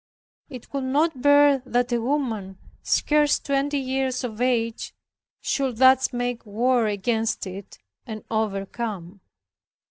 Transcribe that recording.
It could not bear that a woman, scarce twenty years of age, should thus make war against it, and overcome.